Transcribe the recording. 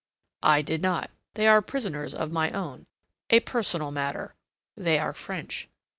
"I did not. They are prisoners of my own a personal matter. They are French."